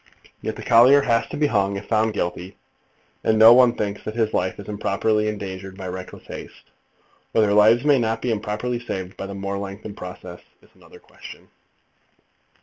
And yet the collier has to be hung, if found guilty, and no one thinks that his life is improperly endangered by reckless haste. Whether lives may not be improperly saved by the more lengthened process is another question.